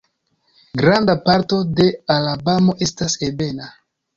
Granda parto de Alabamo estas ebena.